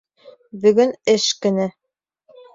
Бөгөн эш көнө.